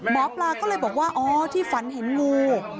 หมอปลาก็เลยบอกว่าอ๋อที่ฝันเห็นงู